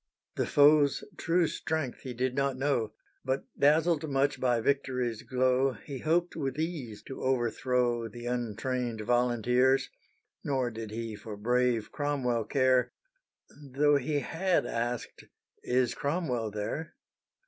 The foe's true strength he did not know, But dazzled much by victory's glow He hoped with ease to overthrow The untrained volunteers; Nor did he for brave Cromwell care, Tho' he had asked "is Cromwell there?"